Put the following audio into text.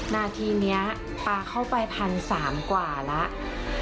นาทีนี้ป่าเข้าไปพันสามกว่าแล้ว